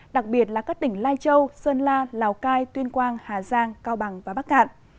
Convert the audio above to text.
đặc biệt là các tỉnh lai châu sơn la lào cai tuyên quang hà giang cao bằng và bắc cạn